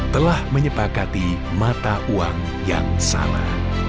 telah menyepakati mata uang yang sama